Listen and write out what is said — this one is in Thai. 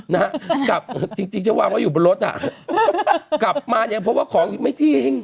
นะฮะกลับจริงฉันว่าเขาอยู่บนรถอ่ะกลับมายังพบว่าของไม่จริง